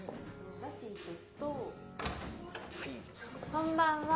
こんばんは。